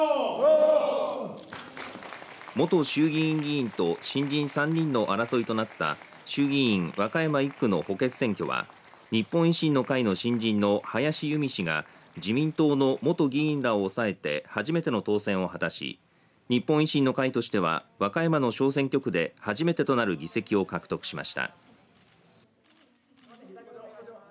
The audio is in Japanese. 元衆議院議員と新人３人の争いとなった衆議院和歌山１区の補欠選挙は日本維新の会の新人の林佑美氏が自民党の元議員らを抑えて初めての当選を果たし日本維新の会としては和歌山の小選挙区で初めてとなる議席を獲得しました。